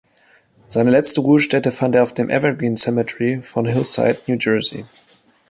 Seine letzte Ruhestätte fand er auf dem Evergreen Cemetery von Hillside, New Jersey.